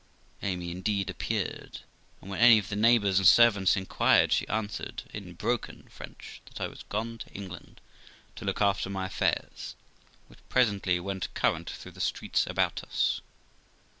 Amy, indeed, appeared, and when any of the neighbours and servants inquired, she answered, in broken French, that I was gone to England to look after my affairs, which presently went current through the streets about us.